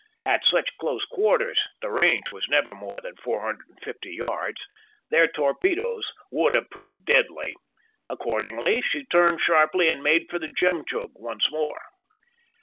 At such close quarters (the range was never more than 450 yards) their torpedoes would have proved deadly. Accordingly, she turned sharply and made for the Jemtchug once more.